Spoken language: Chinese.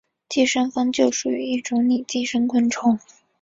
寄生蜂就属于一种拟寄生昆虫。